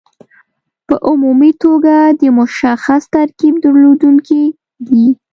په عمومي توګه د مشخص ترکیب درلودونکي دي.